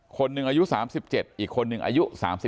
คนหนึ่งอายุ๓๗อีกคนนึงอายุ๓๒